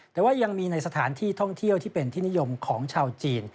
แต่ว่ายังมีในสถานที่ท่องเที่ยวที่เป็นที่นิยมของชาวจีน